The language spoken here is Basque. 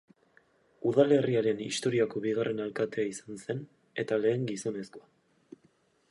Udalerriaren historiako bigarren alkatea izan zen eta lehen gizonezkoa.